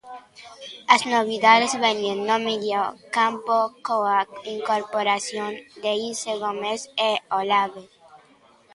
As novidades veñen no mediocampo coa incorporación de Isi Gómez e Olabe.